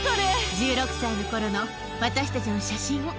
１６歳の頃の私たちの写真。